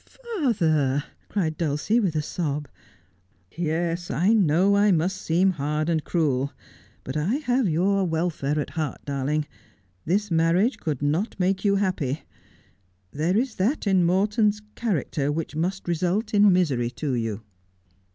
' Father !' cried Dulcie, with a sob. ' Yes, I know I must seem hard and cruel, but I have your welfare at heart, darling. This marriage could not make you happy. There is that in Morton's character which must result in misery to you.'